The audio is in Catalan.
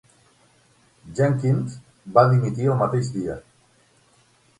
Jenkins va dimitir el mateix dia.